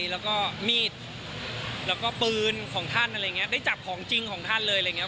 แล้วก็มีดแล้วก็ปืนของท่านอะไรอย่างนี้ได้จับของจริงของท่านเลยอะไรอย่างเง